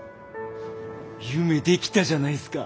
夢できたじゃないっすか。